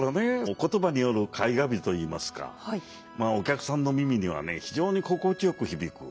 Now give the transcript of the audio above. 言葉による絵画美といいますかまあお客さんの耳にはね非常に心地よく響く。